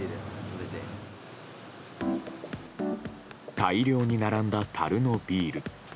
大量に並んだ、たるのビール。